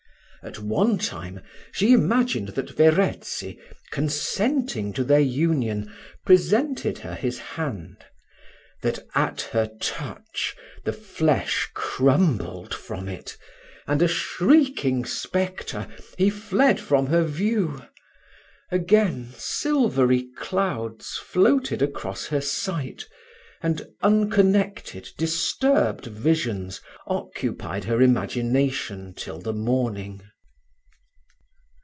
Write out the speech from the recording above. At one time she imagined that Verezzi, consenting to their union, presented her his hand: that at her touch the flesh crumbled from it, and, a shrieking spectre, he fled from her view: again, silvery clouds floated across her sight, and unconnected, disturbed visions occupied her imagination till the morning.